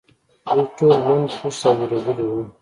دوی ټول لوند، خېشت او وېرېدلي و.